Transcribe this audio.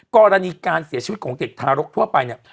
กรณีการเสียชีวิตของเด็กทารกทั่วไปเนี่ย